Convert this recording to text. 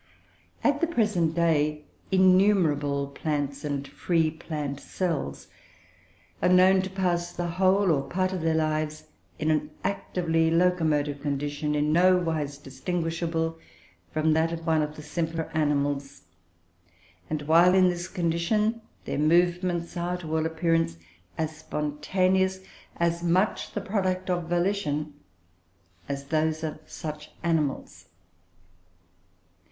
At the present day, innumerable plants and free plant cells are known to pass the whole or part of their lives in an actively locomotive condition, in no wise distinguishable from that of one of the simpler animals; and, while in this condition, their movements are, to all appearance, as spontaneous as much the product of volition as those of such animals.